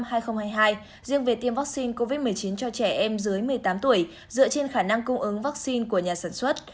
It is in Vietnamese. bộ y tế đang hướng tới vaccine covid một mươi chín cho trẻ em dưới một mươi tám tuổi dựa trên khả năng cung ứng vaccine của nhà sản xuất